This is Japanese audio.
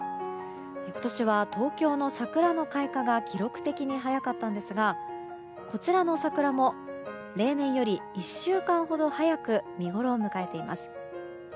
今年は東京の桜の開花が記録的に早かったんですがこちらの桜も例年より１週間ほど早く見ごろを迎えています。